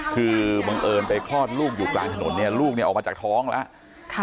คือบังเอิญไปคลอดลูกอยู่กลางถนนเนี่ยลูกเนี่ยออกมาจากท้องแล้ว